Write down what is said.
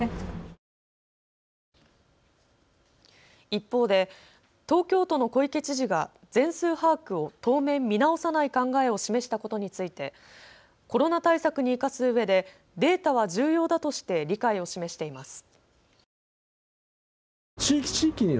一方で東京都の小池知事が全数把握を当面、見直さない考えを示したことについてコロナ対策に生かすうえでデータは重要だとして理解を示しています。